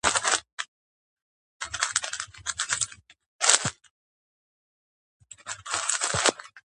პარკი ესაზღვრება ჩეხეთში მდებარე ბოჰემიის შვეიცარიის ეროვნულ პარკს.